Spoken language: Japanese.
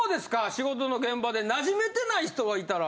仕事の現場でなじめてない人がいたら。